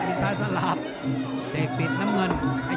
เศกศิษย์น้ำเงิน